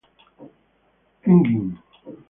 Engin.